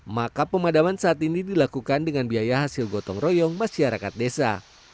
maka pemadaman saat ini dilakukan dengan biaya hasil gotong royong masyarakat desa